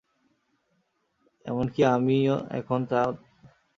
এমনকি আমি এখন তোমাকে দেখে ভয় পাচ্ছি।